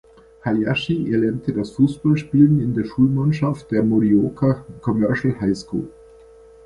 Hayashi erlernte das Fußballspielen in der Schulmannschaft der "Morioka Commercial High School".